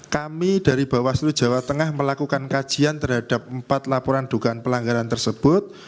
kami dari bawaslu jawa tengah melakukan kajian terhadap empat laporan dugaan pelanggaran tersebut